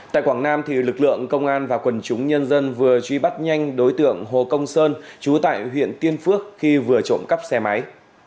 tại quảng nam lực lượng công an và quần chúng nhân dân vừa truy bắt nhanh đối tượng hồ công sơn trú tại huyện tiên phước khi vừa trộm cắp xe máy